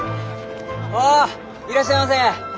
おっいらっしゃいませ！